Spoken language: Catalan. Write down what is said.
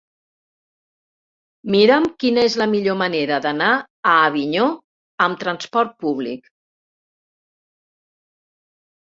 Mira'm quina és la millor manera d'anar a Avinyó amb trasport públic.